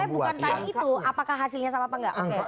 saya bukan tanya itu apakah hasilnya sama apa nggak